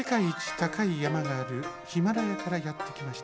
たかいやまがあるヒマラヤからやってきました。